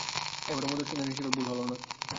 এবারও মধুসূদনের হিসেবে ভুল হল না।